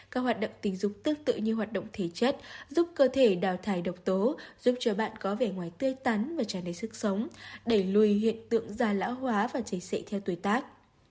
các hoạt động tình dục tương tự như hoạt động thể chất giúp cơ thể đào thải độc tố giúp cho bạn có vẻ ngoài tươi tắn và tràn đầy sức sống đẩy lùi hiện tượng da lão hóa và chảy xệ theo tuổi tác